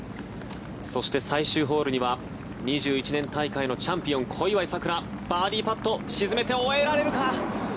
そして、最終ホールには２１年大会のチャンピオン小祝さくら、バーディーパット沈めて終えられるか。